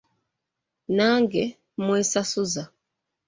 Nange mwesasuzza!